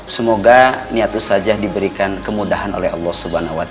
semoga niat ustadzah diberikan kemudahan oleh allah swt